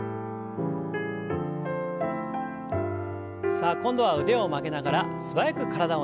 さあ今度は腕を曲げながら素早く体をねじります。